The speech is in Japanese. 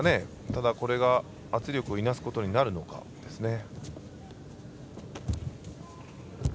ただ、これが圧力をいなすことになるのかですね。